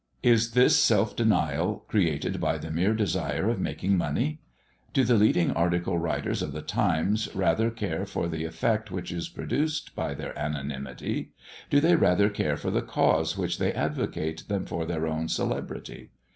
Is this self denial created by the mere desire of making money? Do the leading article writers of the Times rather care for the effect which is produced by their anonymity? Do they rather care for the cause which they advocate than for their own celebrity?